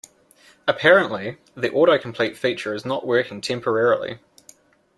Apparently, the autocomplete feature is not working temporarily.